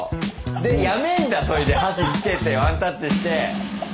でやめんだそれで箸つけてワンタッチして。